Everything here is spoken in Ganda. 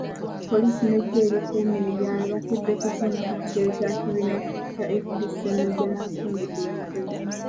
Poliisi n'eggye ekuumabyalo bakedde kuzingako kitebe kya kibiina kya FDC e Najjanankumbi ku lw'Entebe.